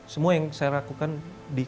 semua yang saya lakukan di